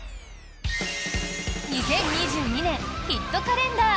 ２０２２年ヒットカレンダー。